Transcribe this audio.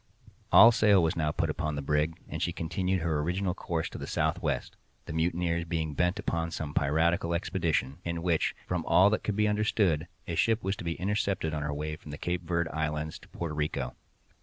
All sail was now put upon the brig, and she continued her original course to the southwest—the mutineers being bent upon some piratical expedition, in which, from all that could be understood, a ship was to be intercepted on her way from the Cape Verd Islands to Porto Rico.